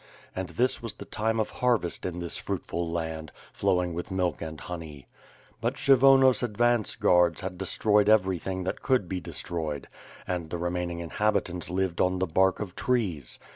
And this was the time of harvest in this fruitful land, flowing with milk and honey. But Kshyvonos advance guards had destroyed every thing that could be destroyed; and the remaining inhabi tants lived on the bark of trees.